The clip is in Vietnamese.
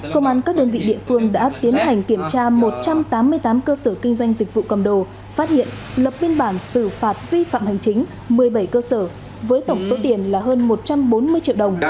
công an các đơn vị địa phương đã tiến hành kiểm tra một trăm tám mươi tám cơ sở kinh doanh dịch vụ cầm đồ phát hiện lập biên bản xử phạt vi phạm hành chính một mươi bảy cơ sở với tổng số tiền là hơn một trăm bốn mươi triệu đồng